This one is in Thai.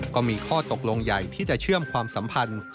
ก็มีข้อตกลงใหญ่ที่จะเชื่อมความสัมพันธ์